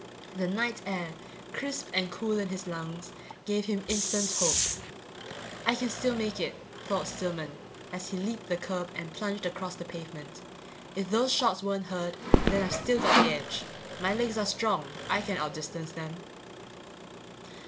The night air, crisp and cool in his lungs, gave him instant hope. I can still make it, thought Stillman, as he leaped the curb and plunged across the pavement. If those shots weren't heard, then I've still got the edge. My legs are strong; I can outdistance them.